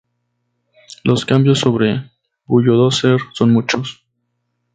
Los cambios sobre "Bulldozer" son muchos.